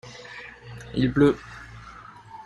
il pleut.